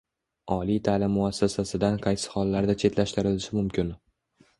Oliy ta’lim muassasasidan qaysi hollarda chetlashtirilishi mumkin?